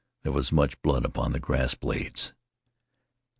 There was much blood upon the grass blades.